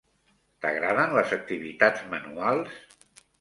T'agraden les activitats manuals?